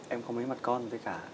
em có mấy mặt con thế cả